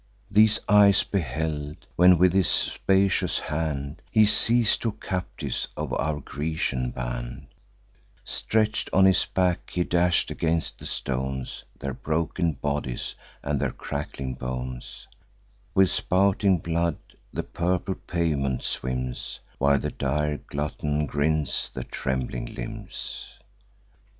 These eyes beheld, when with his spacious hand He seiz'd two captives of our Grecian band; Stretch'd on his back, he dash'd against the stones Their broken bodies, and their crackling bones: With spouting blood the purple pavement swims, While the dire glutton grinds the trembling limbs.